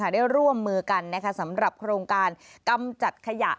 ได้ร่วมมือกันสำหรับโครงการกำจัดขยะ